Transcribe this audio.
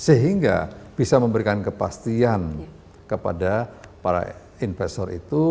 sehingga bisa memberikan kepastian kepada para investor itu